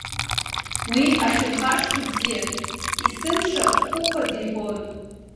Уи ахьырхашҭуа бзиан, есымша Хәыхәа дибон.